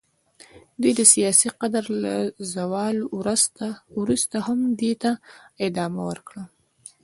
دوی د سیاسي قدرت له زوال وروسته هم دې ته ادامه ورکړه.